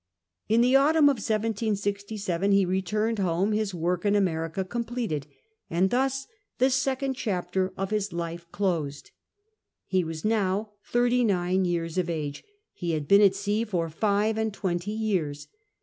In the autumn of 1767 he returned home, his work in America completed, and thus the second chapter „of his life closed. He was now thirty nine years of age ; he had been at sea for five and tAventy years.